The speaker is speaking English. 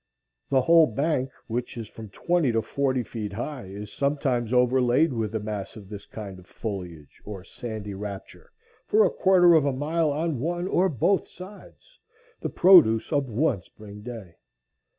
The whole bank, which is from twenty to forty feet high, is sometimes overlaid with a mass of this kind of foliage, or sandy rupture, for a quarter of a mile on one or both sides, the produce of one spring day.